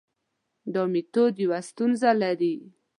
دا میتود یوه ستونزه لري.